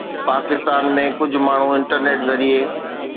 پاڪستان ۾ ڪجهه ماڻهو انٽرنيٽ ذريعي